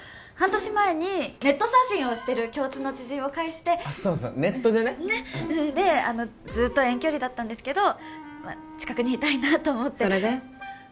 半年前にネットサーフィンをしてる共通の知人を介してそうそうネットでねねっであのずっと遠距離だったんですけど近くにいたいなと思ってそれで？